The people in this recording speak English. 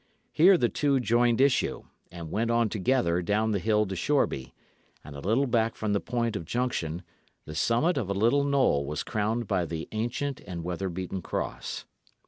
Here the two joined issue, and went on together down the hill to Shoreby; and a little back from the point of junction, the summit of a little knoll was crowned by the ancient and weather beaten cross.